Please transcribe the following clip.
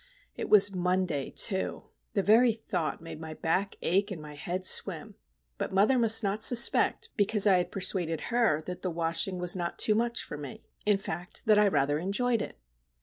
It was Monday, too! The very thought made my back ache and my head swim;—but mother must not suspect, because I had persuaded her that the washing was not too much for me; in fact, that I rather enjoyed it!